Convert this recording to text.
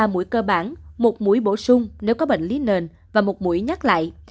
ba mũi cơ bản một mũi bổ sung nếu có bệnh lý nền và một mũi nhắc lại